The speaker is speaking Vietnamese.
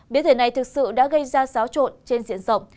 biến thể này thực sự đã gây ra xáo trộn trên diện rộng